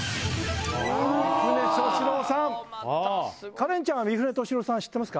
カレンちゃんは三船敏郎さん知ってますか？